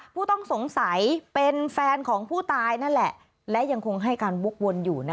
ผู้ต้องสงสัยเป็นแฟนของผู้ตายนั่นแหละและยังคงให้การวกวนอยู่